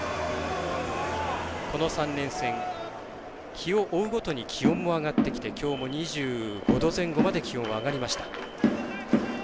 この３連戦、日を追うごとに気温も上がってきてきょうも２５度前後まで気温が上がりました。